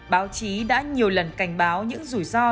báo chí đã nhiều lần cảnh báo những rủi ro